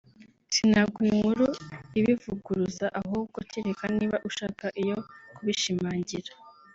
sinaguha inkuru ibivuguruza ahubwo kereka niba ushaka iyo kubishimangira